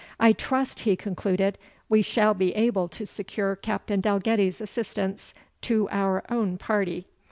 "I trust," he concluded, "we shall be able to secure Captain Dalgetty's assistance to our own party."